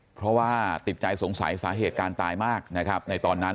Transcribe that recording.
เพราะว่าติดใจสงสัยสาเหตุการตายมากนะครับในตอนนั้น